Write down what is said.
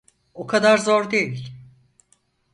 O kadar zor değil.